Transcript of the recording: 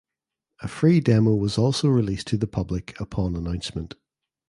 A free demo was also released to the public upon announcement.